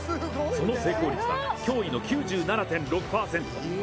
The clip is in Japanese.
その成功率は脅威の９７．６％。